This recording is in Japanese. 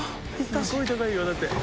すごい高いよだって。